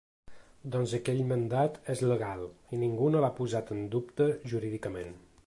Doncs aquell mandat és legal i ningú no l’ha posat en dubte jurídicament.